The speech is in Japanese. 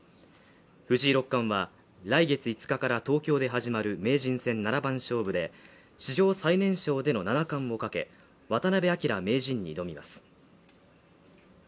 藤井六冠は来月５日から東京で始まる名人戦７番勝負で、史上最年少での七冠を懸け、渡辺明名人に挑みます。